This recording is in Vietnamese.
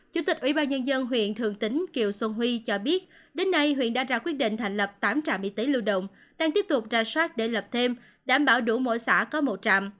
chủ tịch ủy ban nhân dân huyện thường tín kiều xuân huy cho biết đến nay huyện đã ra quyết định thành lập tám trạm y tế lưu động đang tiếp tục ra soát để lập thêm đảm bảo đủ mỗi xã có một trạm